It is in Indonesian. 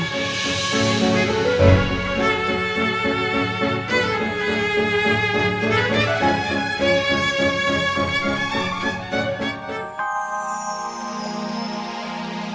aku mau ke rumah